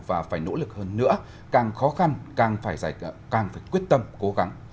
và phải nỗ lực hơn nữa càng khó khăn càng phải quyết tâm cố gắng